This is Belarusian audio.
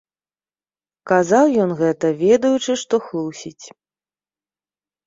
Казаў ён гэта, ведаючы, што хлусіць.